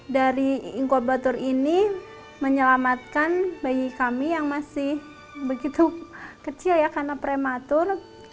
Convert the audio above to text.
dari inkubator ini menyelamatkan bayi kami yang masih begitu kecil ya karena prematur